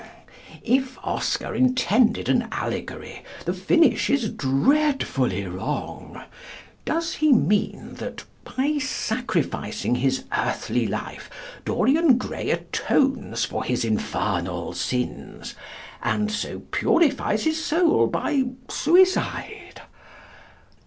If Oscar intended an allegory, the finish is dreadfully wrong. Does he mean that, by sacrificing his earthly life, Dorian Gray atones for his infernal sins, and so purifies his soul by suicide?